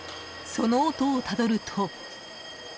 その音をたどると。